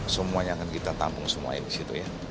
semuanya akan kita tampung semuanya di situ ya